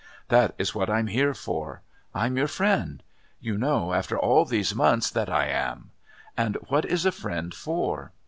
That is what I'm here for. I'm your friend. You know, after all these months, that I am. And what is a friend for?"